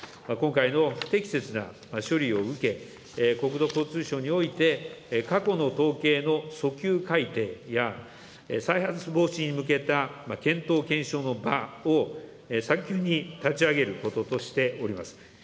今回の不適切な処理を受け、国土交通省において、過去の統計の遡及改定や再発防止に向けた検討検証の場を早急に立ち上げることとしております。